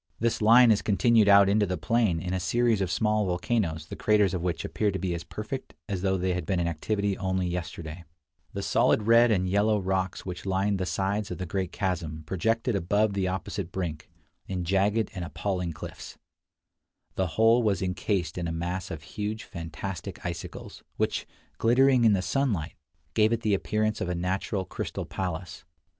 This line is continued out into the plain in a series of small volcanoes the craters of which appear to be as perfect as though they had been in activity only yesterday. The solid red and yellow rocks which lined the sides of the great II 67 '"■■■"' NEARING THE HEAD OF THE GREAT CHASM. 68 Across Asia on a Bicycle chasm projected above the opposite brink in jagged and appalling cliffs. The whole was incased in a mass of huge fantastic icicles, which, glittering in the sunlight, gave it the appearance of a natural crystal palace.